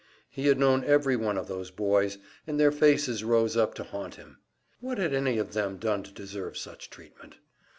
He had known every one of those boys, and their faces rose up to haunt him. What had any of them done to deserve such treatment?